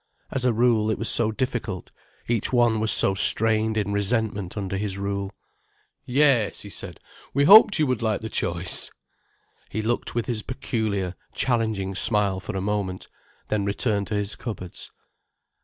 As a rule, it was so difficult, each one was so strained in resentment under his rule. "Yes," he said, "we hoped you would like the choice——" He looked with his peculiar, challenging smile for a moment, then returned to his cupboards.